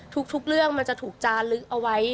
ทุกเรื่องมันจะถูกจาลึกเอาไว้